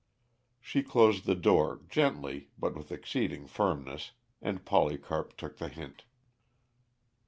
She closed the door gently, but with exceeding firmness, and, Polycarp took the hint.